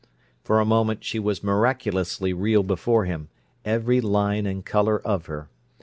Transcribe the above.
For a moment she was miraculously real before him, every line and colour of her.